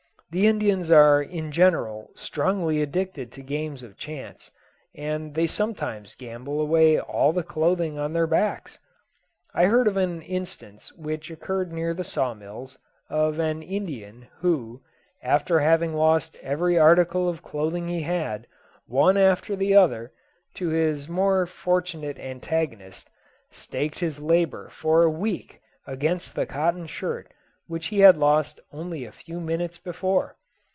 The Indians are in general strongly addicted to games of chance, and they sometimes gamble away all the clothing on their backs. I heard of an instance which occurred near the saw mills, of an Indian who, after having lost every article of clothing he had, one after the other, to his more fortunate antagonist, staked his labour for a week against the cotton shirt which he had lost only a few minutes before.